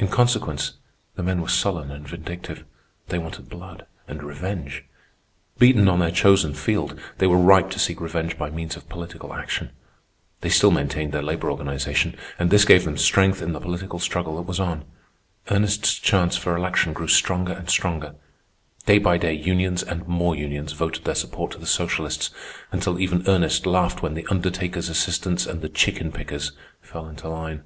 In consequence, the men were sullen and vindictive. They wanted blood, and revenge. Beaten on their chosen field, they were ripe to seek revenge by means of political action. They still maintained their labor organization, and this gave them strength in the political struggle that was on. Ernest's chance for election grew stronger and stronger. Day by day unions and more unions voted their support to the socialists, until even Ernest laughed when the Undertakers' Assistants and the Chicken Pickers fell into line.